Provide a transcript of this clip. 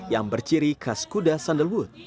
yang berciri khas kuda sandalwood